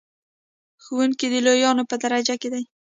ښوونکی د لویانو په درجه کې دی.